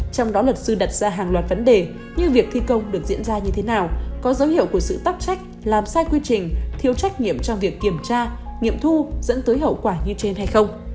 trong đó luật sư đặt ra hàng loạt vấn đề như việc thi công được diễn ra như thế nào có dấu hiệu của sự tắc trách làm sai quy trình thiếu trách nhiệm trong việc kiểm tra nghiệm thu dẫn tới hậu quả như trên hay không